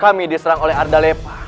kami diserang oleh arda lepa